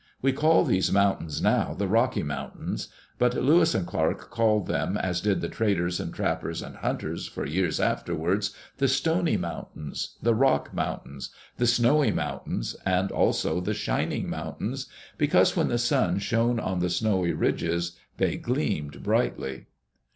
We call these mountains now the Rocky Mountains; but Lewis and Clark called them, as did the traders and trappers and hunters for years afterwards, the Stony Mountains, the Rock Mountains, the Snowy Mountains, and also the Shining Mountains, because when the sun shone on the snowy ridges they gleamed brightly.